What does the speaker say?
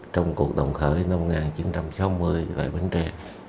trong cuộc đồng khởi năm một nghìn chín trăm sáu mươi tại bến tre